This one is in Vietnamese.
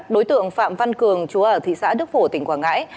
đối tượng phạm văn cường chú ở thị xã đức phổ tỉnh quảng ngãi